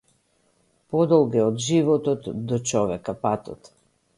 Подолг е од животот до човека патот.